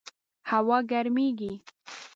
هوا ګرمیږي